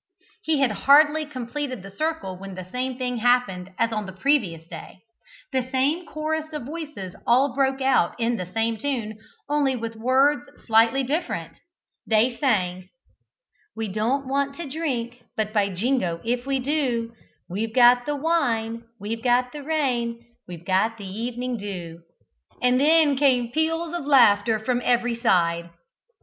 He had hardly completed the circle when the same thing happened as on the previous day: the same chorus of voices all broke out in the same tune, only with words slightly different they sang "We don't want to drink but by Jingo if we do, We've got the wine we've got the rain We've got the ev'ning dew," and then came peals of laughter from every side.